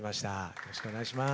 よろしくお願いします。